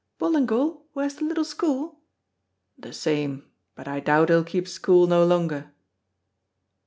"Ballingall who has the little school?" "The same, but I doubt he'll keep school no longer."